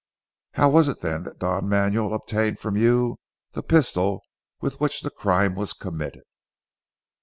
"How was it then that Don Manuel obtained from you the pistol with which the crime was committed?"